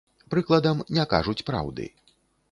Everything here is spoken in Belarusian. Прыкладам, не кажуць праўды.